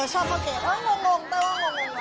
เออชอบเขาเกศเอ้างงเตยว่างงง